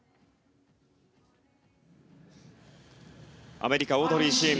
アメリカ、オードリー・シン